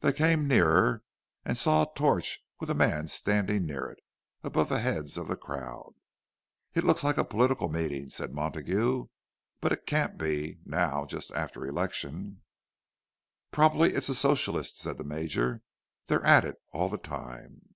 They came nearer, and saw a torch, with a man standing near it, above the heads of the crowd. "It looks like a political meeting," said Montague, "but it can't be, now—just after election." "Probably it's a Socialist," said the Major. "They're at it all the time."